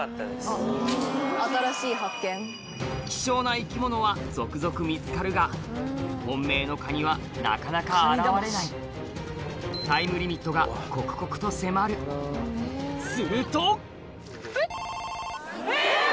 希少な生き物は続々見つかるが本命のカニはなかなか現れないタイムリミットが刻々と迫るすると！